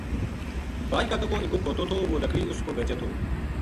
باج کاکا کو اکو کھوتو تھو وہ لکڑی اس پو بیچے تھو